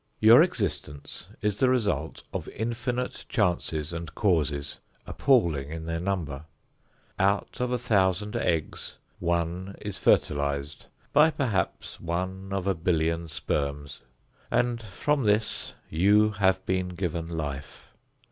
Your existence is the result of infinite chances and causes appalling in their number. Out of a thousand eggs, one is fertilized by perhaps one of a billion sperms, and from this you have been given life.